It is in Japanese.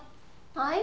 はい？